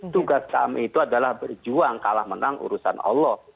tugas kami itu adalah berjuang kalah menang urusan allah